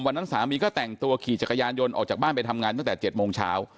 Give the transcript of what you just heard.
สามีก็แต่งตัวขี่จักรยานยนต์ออกจากบ้านไปทำงานตั้งแต่๗โมงเช้า